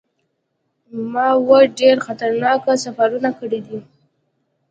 ما اووه ډیر خطرناک سفرونه کړي دي.